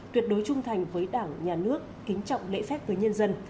tuyệt đối trung thành với đảng nhà nước kính trọng lễ phép với nhân dân